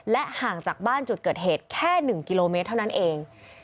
ห่างจากบ้านจุดเกิดเหตุแค่๑กิโลเมตรเท่านั้นเอง